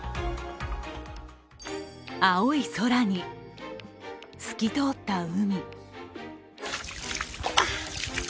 青い空に透き通った海。